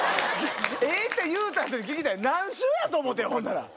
「え」って言うた人に聞きたい何周やと思うてんほんだら。